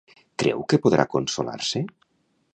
Creu que podrà consolar-se?